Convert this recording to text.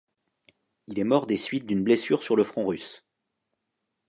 Il est mort des suites d'une blessure sur le front russe.